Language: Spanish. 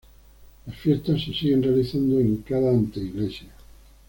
Las fiestas se siguen realizando en cada anteiglesia.